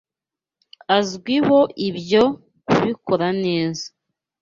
Azwiho ibyo kubikora neza.